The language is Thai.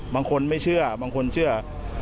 บางคนไม่เชื่อบางคนเชื่อ